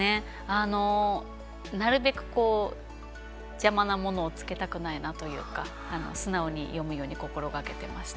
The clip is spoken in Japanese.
あの、なるべく邪魔なものをつけたくないなというか素直に読むように心がけていました。